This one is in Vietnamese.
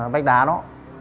vách đá đó